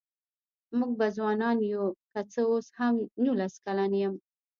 مونږ به ځوانان يوو که څه اوس هم نوولس کلن يم